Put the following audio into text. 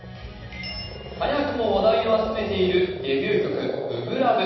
早くも話題を集めているデビュー曲「初恋ＬＯＶＥ」。